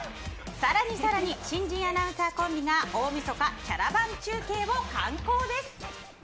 さらに新人アナウンサーコンビが大晦日キャラバン中継は慣行です。